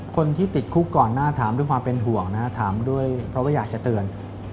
คนที่ติดคุกก่อนหน้าถามด้วยความเป็นห่วงนะฮะถามด้วยเพราะว่าอยากจะเตือน